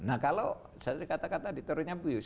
nah kalau seperti kata kata di terunya puyus